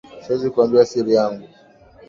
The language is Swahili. Siwezi kukuambia siri yangu